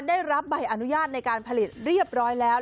ได้รับใบอนุญาตในการผลิตเรียบร้อยแล้ว